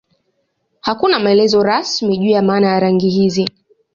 Hakuna maelezo rasmi juu ya maana ya rangi hizi.